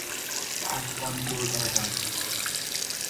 به اسبان جو دادن